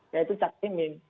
yaitu cak imin